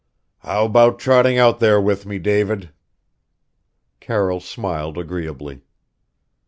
"How about trotting out there with me, David?" Carroll smiled agreeably.